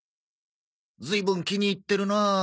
ずいぶん気に入ってるなあ。